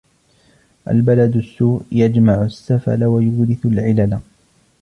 الْبَلَدُ السُّوءُ يَجْمَعُ السَّفَلَ وَيُورِثُ الْعِلَلَ